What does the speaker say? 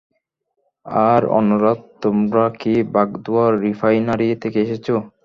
আর অন্যরা তোমরা কি বাগদোয়া রিফাইনারি থেকে এসেছো?